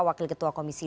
wakil ketua komisi dua